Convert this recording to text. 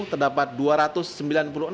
terdapat kondisi yang menyebabkan kususnya berubah